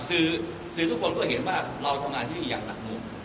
คือทุกคนก็เห็นว่าเราทำงานที่นี่อย่างหนักหน่วง